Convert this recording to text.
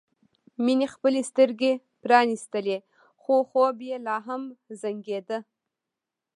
مينې خپلې سترګې پرانيستلې خو خوب یې لا هم زنګېده